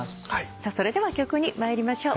それでは曲に参りましょう。